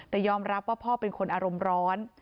แต่ยอมรับว่าพ่อเป็นคนอารมณ์ร้อน